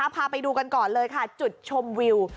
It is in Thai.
พาไปดูกันก่อนเลยค่ะจุดชมวิว